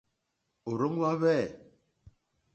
Òrzòŋwá hwɛ̂.